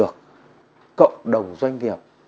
cộng đồng doanh nghiệp